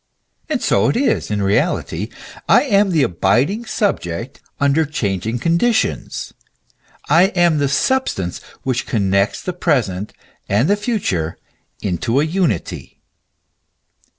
And so it is in reality. I am the abiding subject under changing con ditions ; I am the substance which connects the present and the future into a unity.